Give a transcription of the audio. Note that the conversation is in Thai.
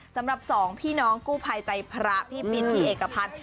สำหรับสองพี่น้องกู้ภัยใจพระพี่ปินพี่เอกพันธ์